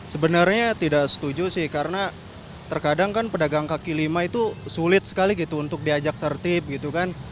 sebenarnya tidak setuju sih karena terkadang kan pedagang kaki lima itu sulit sekali gitu untuk diajak tertib gitu kan